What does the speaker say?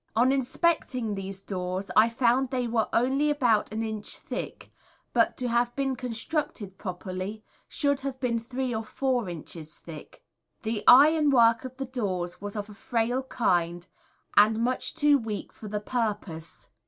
On inspecting these doors I found they were only about an inch thick, but to have been constructed properly should have been three or four inches thick. The ironwork of the doors was of a frail kind, and much too weak for the purpose.